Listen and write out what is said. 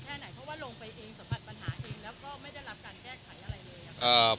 แล้วก็ไม่ได้รับการแก้ไขอะไรเลย